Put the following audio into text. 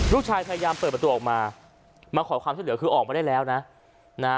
ลูกชายพยายามเปิดประตูออกมามาขอความช่วยเหลือคือออกมาได้แล้วนะ